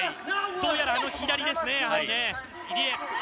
どうやらあの左ですね、入江、青。